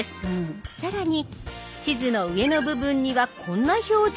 更に地図の上の部分にはこんな表示。